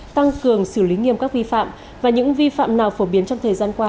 tăng cường xử lý nghiêm các vi phạm và những vi phạm nào phổ biến trong thời gian qua